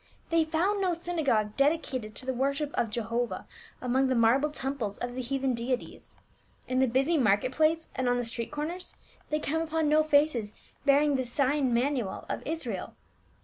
They found no .synagogue dedicated to the worship of Jehovah among the marble temples of the heathen deities ; in the busy market places and on the street corners they came upon no faces bearing the sign matuial of Israel.